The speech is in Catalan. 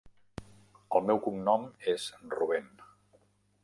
El meu cognom és Rubén.